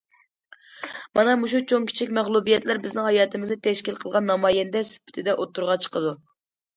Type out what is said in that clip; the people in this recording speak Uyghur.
مانا مۇشۇ چوڭ- كىچىك مەغلۇبىيەتلەر بىزنىڭ ھاياتىمىزنى تەشكىل قىلغان نامايەندە سۈپىتىدە ئوتتۇرىغا چىقىدۇ.